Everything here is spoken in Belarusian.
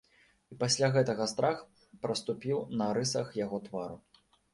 І пасля гэтага страх праступіў на рысах яго твару.